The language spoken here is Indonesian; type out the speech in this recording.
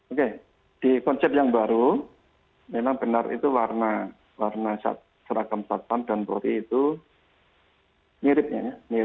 oke di konsep yang baru memang benar itu warna seragam satpam dan prote itu miripnya